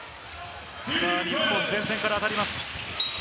日本、前線から当たります。